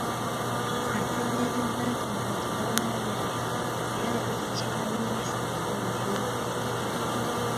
Ategezeza nti wadde tebalina byapa, naye ate tekibalemesa kufuna bwenkanya.